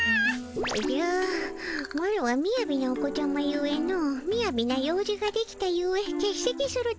おじゃマロはみやびなお子ちゃまゆえのみやびな用事ができたゆえけっせきするとつたえてたも。